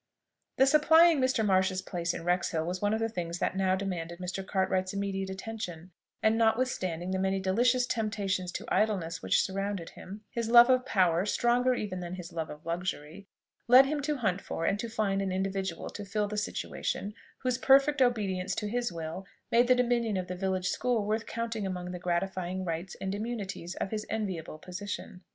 The supplying Mr. Marsh's place in Wrexhill was one of the things that now demanded Mr. Cartwright's immediate attention; and notwithstanding the many delicious temptations to idleness which surrounded him, his love of power, stronger even than his love of luxury, led him to hunt for and to find an individual to fill the situation, whose perfect obedience to his will made the dominion of the village school worth counting among the gratifying rights and immunities of his enviable position.